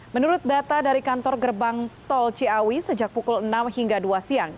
menurut data dari kantor gerbang tol ciawi sejak pukul enam hingga dua siang